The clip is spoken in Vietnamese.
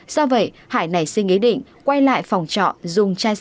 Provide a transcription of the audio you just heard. do vậy hải nảy suy nghĩ định quay lại phòng trọ